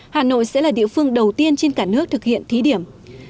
hà nội sẽ là địa phương đầu tiên trên cả nước thực hiện thí điểm